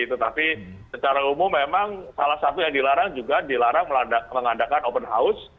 tetapi secara umum memang salah satu yang dilarang juga dilarang mengadakan open house